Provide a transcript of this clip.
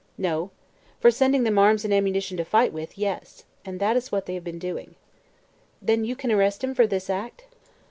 "No; for sending them arms and ammunition to fight with, yes. And that is what they have been doing." "Then you can arrest him for this act?"